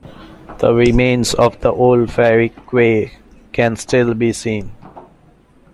The remains of the old ferry quay can still be seen.